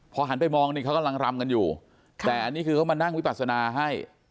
พอหันไปมองนี่เขากำลังรำกันอยู่แต่อันนี้คือเขามานั่งวิปัสนาให้